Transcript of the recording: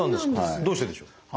どうしてでしょう？